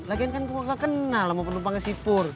lagian kan gue gak kenal sama penumpangnya si pur